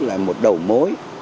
lại một đầu mối